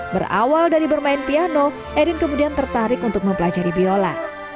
berawal dari bermain piano erin kemudian tertarik untuk mempelajari biola